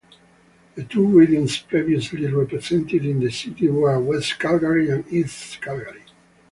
The two riding's previously represented in the city were West Calgary and East Calgary.